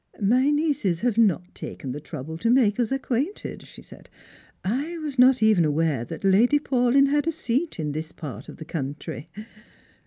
" My nieces have not taken the trouble to make us acquainted," she said ;" I was not even aware that Lady Paulyn had a seat in this part of the country."